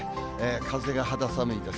風が肌寒いです。